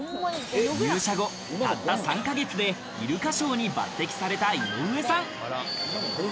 入社後、たった３か月でイルカショーに抜てきされた井上さん。